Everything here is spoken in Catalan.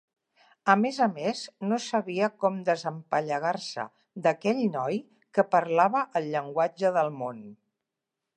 A més a més, no sabia com desempallegar-se d'aquell noi que parlava el Llenguatge del Món.